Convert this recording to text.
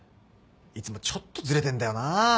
いつもちょっとずれてんだよなぁ。